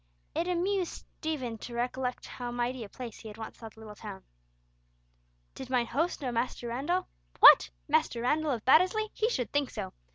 It amused Stephen to recollect how mighty a place he had once thought the little town. Did mine host know Master Randall? What, Master Randall of Baddesley? He should think so!